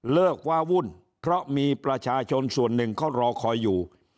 วาวุ่นเพราะมีประชาชนส่วนหนึ่งเขารอคอยอยู่